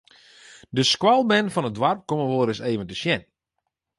De skoalbern fan it doarp komme wolris even te sjen.